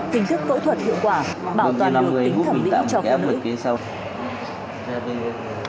tính thức phẫu thuật hiệu quả bảo toàn được tính thẩm lĩnh cho con nữ